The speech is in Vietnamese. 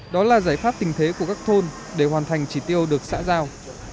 đó là giải pháp tình thế của các thôn để hoàn thành chỉ tiêu được xã giao